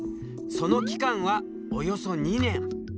その期間はおよそ２年。